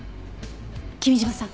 君嶋さん。